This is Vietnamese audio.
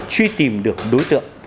truy tìm được đối tượng